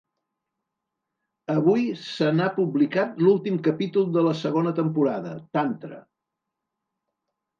Avui se n’ha publicat l’últim capítol de la segona temporada, Tantra.